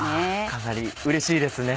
かなりうれしいですね。